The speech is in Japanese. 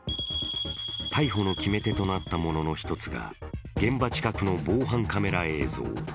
逮捕の決め手となったものの一つが現場近くの防犯カメラ映像。